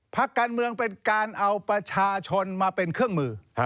พักการเมืองเป็นการเอาประชาชนมาเป็นเครื่องมือ